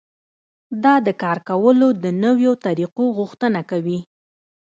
دا د کار کولو د نويو طريقو غوښتنه کوي.